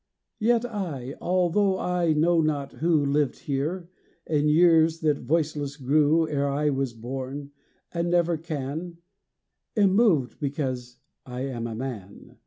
Yet I, although I know not who Lived here, in years that voiceless grew Ere I was born, and never can, Am moved, because I am a man.